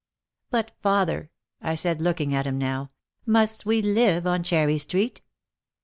"But, father," I said, looking at him now, "must we live on Cherry Street?"